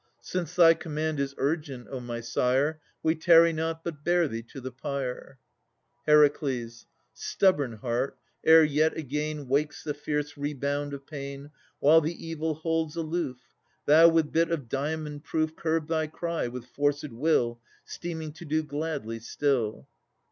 Since thy command is urgent, O my sire! We tarry not, but bear thee to the pyre. HER. Stubborn heart, ere yet again Wakes the fierce rebound of pain, While the evil holds aloof, Thou, with bit of diamond proof, Curb thy cry, with forcèd will Seeming to do gladly still!